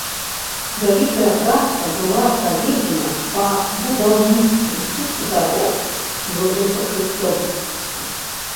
Вялікая праца была праведзена па будаўніцтве сеткі дарог з цвёрдым пакрыццём.